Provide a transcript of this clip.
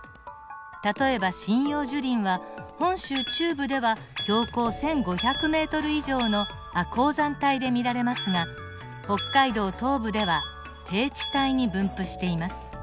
例えば針葉樹林は本州中部では標高１，５００ｍ以上の亜高山帯で見られますが北海道東部では低地帯に分布しています。